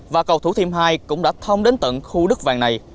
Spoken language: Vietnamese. và cầu thủ thiêm hai cũng đã thông đến tận khu đất vàng này